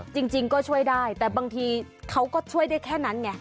จริงก็ช่วยได้แต่บางทีเขาก็ช่วยได้แค่นั้นไง